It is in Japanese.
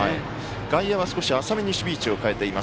外野は少し浅めに守備位置を変えています。